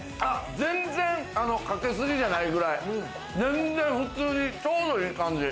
全然かけすぎじゃないくらい、普通にちょうどいい感じ。